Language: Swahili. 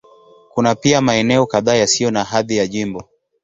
Kuna pia maeneo kadhaa yasiyo na hadhi ya jimbo.